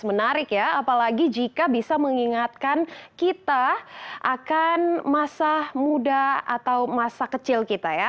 menarik ya apalagi jika bisa mengingatkan kita akan masa muda atau masa kecil kita ya